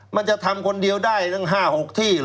มันจะทำคนเดียวได้ตั้ง๕๖ที่เหรอ